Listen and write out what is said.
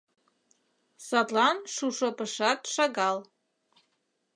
Садлан шушопышат шагал.